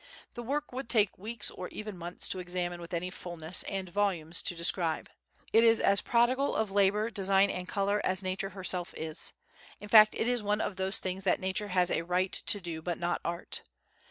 The work would take weeks or even months to examine with any fullness, and volumes to describe. It is as prodigal of labour, design and colour as nature herself is. In fact it is one of those things that nature has a right to do but not art.